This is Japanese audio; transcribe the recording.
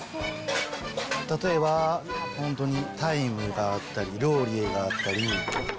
例えば本当にタイムがあったり、ローリエがあったり。